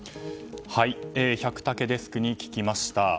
百武デスクに聞きました。